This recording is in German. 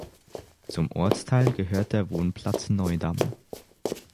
Zum Ortsteil gehört der Wohnplatz Neudamm.